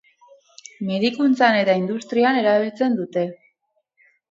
Medikuntzan eta industrian erabiltzen dute.